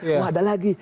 mau ada lagi